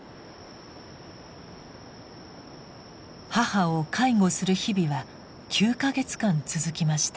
母を介護する日々は９か月間続きました。